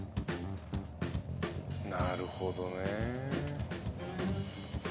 なるほどね。